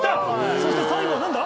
そして最後は何だ？